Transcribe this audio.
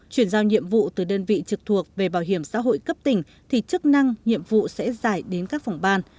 chuyển giao nhiệm vụ từ đơn vị trực thuộc về bảo hiểm xã hội cấp tỉnh thì chức năng nhiệm vụ sẽ dài đến các phòng ban